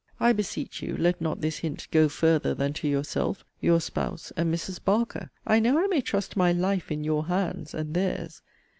I beseech you, let not this hint 'go farther' than to 'yourself,' your 'spouse,' and Mrs. 'Barker.' I know I may trust my 'life' in 'your hands' and 'theirs.'